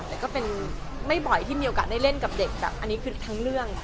แต่ก็เป็นไม่บ่อยที่มีโอกาสได้เล่นกับเด็กแบบอันนี้คือทั้งเรื่อง